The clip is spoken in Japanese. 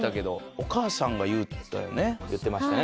お母さんが言うって言ったよね？